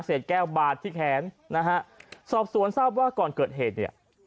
แก้วบาดที่แขนนะฮะสอบสวนทราบว่าก่อนเกิดเหตุเนี่ย